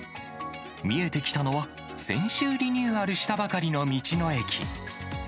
見えてきたのは、先週リニューアルしたばかりの道の駅。